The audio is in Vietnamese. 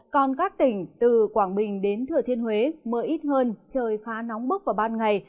còn các tỉnh từ quảng bình đến thừa thiên huế mưa ít hơn trời khá nóng bức vào ban ngày